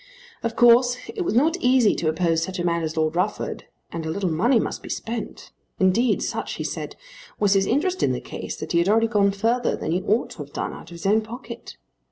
Of course it was not easy to oppose such a man as Lord Rufford and a little money must be spent. Indeed such, he said, was his interest in the case that he had already gone further than he ought to have done out of his own pocket.